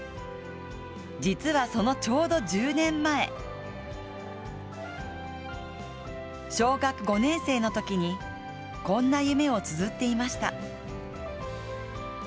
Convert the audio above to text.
実はそのちょうど１０年前小学５年生のときにこんな夢をつづっていました。